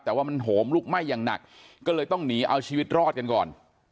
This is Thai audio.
แต่ว่ามันโหมลุกไหม้อย่างหนักก็เลยต้องหนีเอาชีวิตรอดกันก่อน